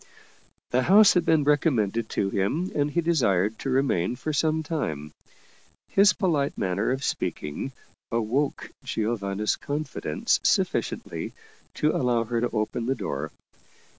The house had been recommended to him and he desired to remain for some time. His polite manner of speaking awoke Giovanna's confidence sufficiently to allow her to open the door.